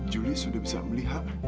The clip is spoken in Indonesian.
juli sudah bisa melihat